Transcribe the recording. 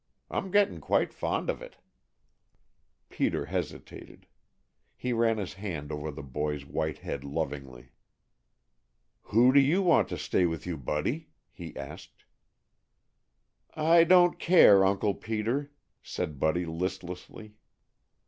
I'm gettin' quite fond of it." Peter hesitated. He ran his hand over the boy's white head lovingly. "Who do you want to stay with you, Buddy?" he asked. "I don't care, Uncle Peter," said Buddy listlessly.